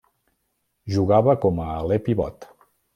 Jugava com a aler pivot.